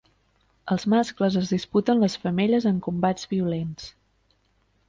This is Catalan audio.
Els mascles es disputen les femelles en combats violents.